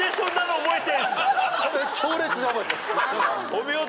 お見事。